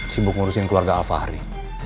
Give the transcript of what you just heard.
sibuk ngurusin keluarga al fahri